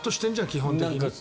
基本的に。